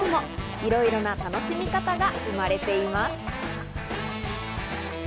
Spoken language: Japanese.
いろいろな楽しみ方が生まれています。